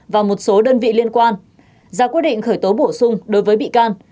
và quyết định khởi tố bổ sung đối với bị can